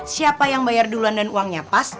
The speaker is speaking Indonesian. siapa yang bayar duluan dan uangnya pas